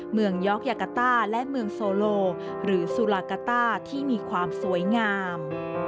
ยอกยากาต้าและเมืองโซโลหรือสุลากาต้าที่มีความสวยงาม